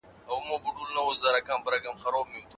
د فارس او روم خلکو ته به ئې ضرر رسولی وای.